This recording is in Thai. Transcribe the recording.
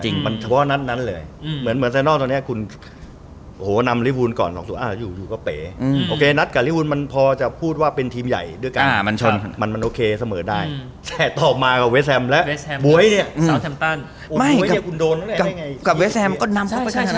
อเจมส์เพราะว่านัดนั้นเลยเหมือนแซนดอลตอนนี้คุณนำริวูลก่อนอยู่ก็เป๋โอเคนัดกับริวูลมันพอจะพูดว่าเป็นทีมใหญ่ด้วยกันมันโอเคเสมอได้แต่ต่อมากับเวสแฮมแล้วบ๊วยเนี่ยคุณโดนแล้วได้ไง